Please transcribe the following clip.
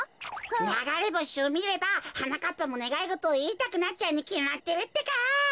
ながれぼしをみればはなかっぱもねがいごとをいいたくなっちゃうにきまってるってか。